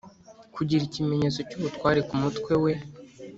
kugira ikimenyetso cyubutware ku mutwe we